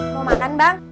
mau makan bang